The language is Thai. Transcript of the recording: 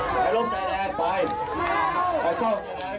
ไปลบชายแดนไปไปเจ้าชายแดนกระโบมลง